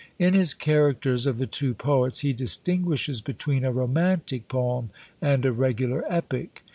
In his characters of the two poets, he distinguishes between a romantic poem and a regular epic.